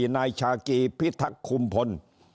นายชากีพิทักษ์คุมพล